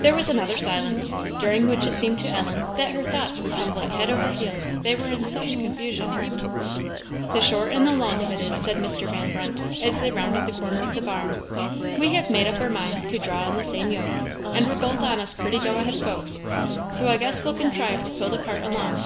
There was another silence, during which it seemed to Ellen that her thoughts were tumbling head over heels, they were in such confusion. "The short and the long of it is," said Mr. Van Brunt, as they rounded the corner of the barn "we have made up our minds to draw in the same yoke; and we're both on us pretty go ahead folks, so I guess we'll contrive to pull the cart along.